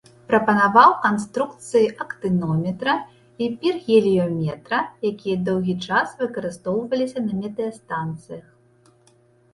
Прапанаваў канструкцыі актынометра і піргеліёметра, якія доўгі час выкарыстоўваліся на метэастанцыях.